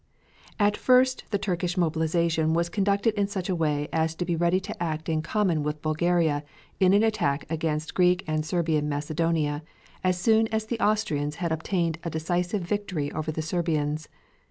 At first the Turkish mobilization was conducted in such a way as to be ready to act in common with Bulgaria in an attack against Greek and Serbian Macedonia, as soon as the Austrians had obtained a decisive victory over the Serbians.